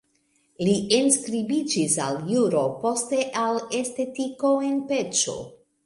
Li enskribiĝis al juro, poste al estetiko en Peĉo.